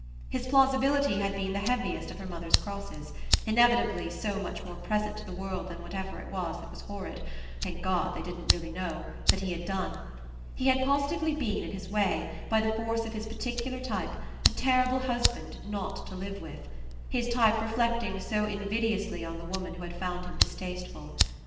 His plausibility had been the heaviest of her mother's crosses; inevitably so much more present to the world than whatever it was that was horrid thank God they didn't really know! that he had done. He had positively been, in his way, by the force of his particular type, a terrible husband not to live with; his type reflecting so invidiously on the woman who had found him distasteful.